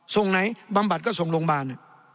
ส่งไหนบำบัดก็ส่งโรงพยาบาล